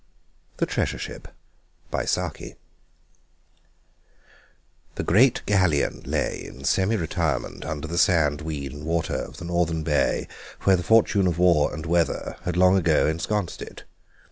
THE TREASURE SHIP The great galleon lay in semi retirement under the sand and weed and water of the northern bay where the fortune of war and weather had long ago ensconced it.